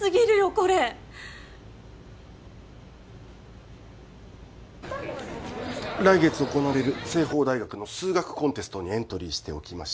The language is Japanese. これ来月行われる聖訪大学の数学コンテストにエントリーしておきました